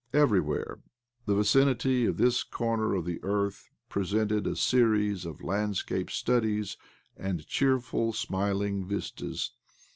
Every where the vicinity of this corner of the earth presented a series of landscape studies and cheerful, smiling vistas.